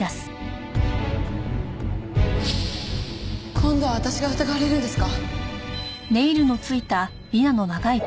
今度は私が疑われるんですか？